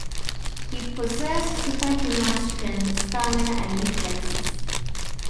He possessed superhuman strength, stamina, and reflexes.